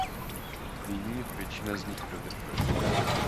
Nyní ho většina z nich dodržuje.